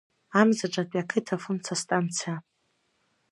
Амзаҿатәи ақыҭа фымца станциа.